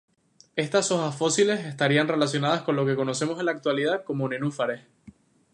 Estas hojas fósiles estarían relacionadas con lo que conocemos en la actualidad como nenúfares.